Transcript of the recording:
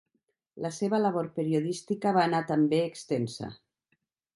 La seva labor periodística va anar també extensa.